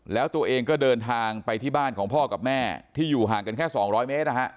แล้วตัวเองก็เดินทางไปที่บ้านของพ่อกับแม่ที่อยู่ห่างกันแค่๒๐๐เมตรนะฮะ